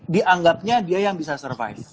dianggapnya dia yang bisa survive